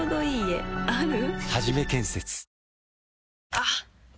あっ！